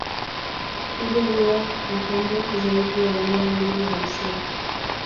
Kibo huwa na kando zaidi ya mia mbili hamsini